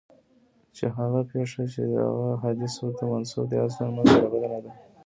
چي هغه پېښه چي دغه حدیث ورته منسوب دی اصلاً منځته راغلې نه ده.